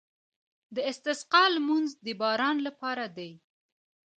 د استسقا لمونځ د باران لپاره دی.